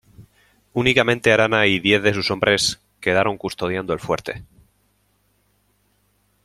Únicamente Arana y diez de sus hombres quedaron custodiando el fuerte.